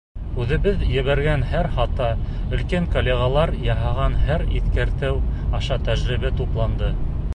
Үҙебеҙ ебәргән һәр хата, өлкән коллегалар яһаған һәр иҫкәртеү аша тәжрибә тупланды.